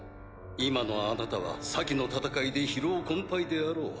今のあなたは先の戦いで疲労困憊であろう。